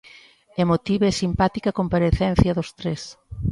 Emotiva e simpática comparecencia dos tres.